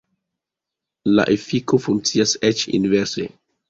La efiko funkcias eĉ inverse.